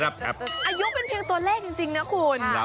ตรับอายุเป็นเพียงตัวแรกจริงนะคุณ